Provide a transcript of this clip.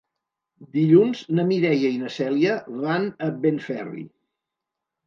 Dilluns na Mireia i na Cèlia van a Benferri.